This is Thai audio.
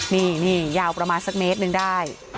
นี่ยาวประมาณสักเมตรหนึ่งได้